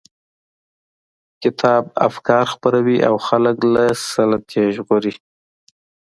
کتاب افکار خپروي او خلک له سلطې ژغوري.